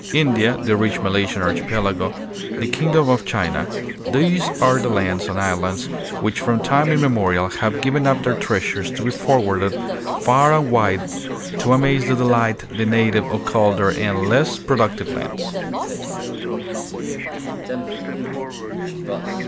India, the rich Malaysian archipelago, the kingdom of China, these are the lands and islands which from tune imme morial have given up their treasures to be forwarded far and wide to amaze and delight the native of colder and less productive lands.